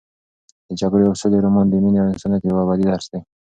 د جګړې او سولې رومان د مینې او انسانیت یو ابدي درس دی.